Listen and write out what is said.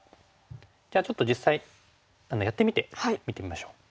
じゃあちょっと実際やってみて見てみましょう。